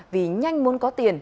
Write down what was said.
vì nhanh muốn có tiền